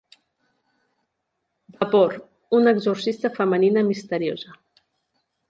Vapor: una exorcista femenina misteriosa.